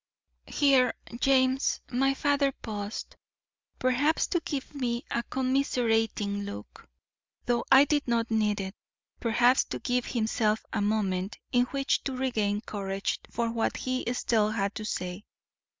Here, James, my father paused, perhaps to give me a commiserating look, though I did not need it; perhaps to give himself a moment in which to regain courage for what he still had to say.